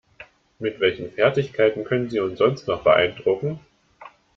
Mit welchen Fertigkeiten können Sie uns sonst noch beeindrucken?